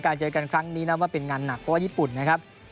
เจอกันครั้งนี้นับว่าเป็นงานหนักเพราะว่าญี่ปุ่นนะครับ